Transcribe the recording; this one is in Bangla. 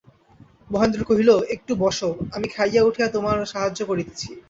মহেন্দ্র কহিল, একটু রোসো, আমি খাইয়া উঠিয়া তোমার সাহায্য করিতেছি।